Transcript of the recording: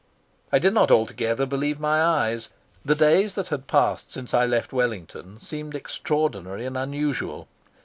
I did not altogether believe my eyes. The days that had passed since I left Wellington seemed extraordinary and unusual.